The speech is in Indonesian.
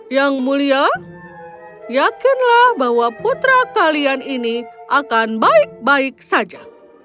yang mulia yakinlah bahwa putra kalian ini akan baik baik saja